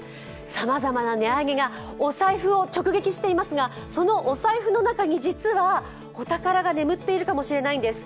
さまざまな値上げがお財布を直撃していますがそのお財布の中に、実はお宝が眠っているかもしれないんです。